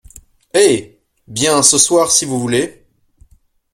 Eh ! bien, ce soir, si vous voulez…